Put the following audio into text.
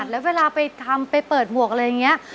แล้วเวลาไปทำไปเปิดหมวกอะไรอย่างนี้